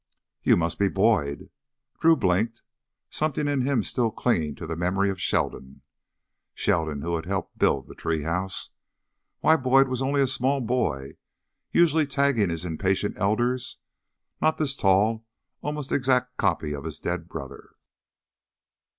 "You must be Boyd " Drew blinked, something in him still clinging to the memory of Sheldon, Sheldon who had helped to build the tree house. Why, Boyd was only a small boy, usually tagging his impatient elders, not this tall, almost exact copy of his dead brother.